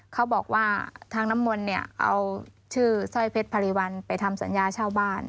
เขาบอกว่าทางน้ำมนต์เนี่ยเอาชื่อสร้อยเพชรพารีวัลไปทำสัญญาเช่าบ้าน